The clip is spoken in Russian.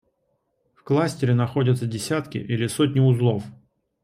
В кластере находятся десятки или сотни узлов